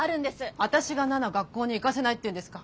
私が奈々学校に行かせないっていうんですか。